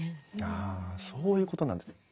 あそういうことなんですね。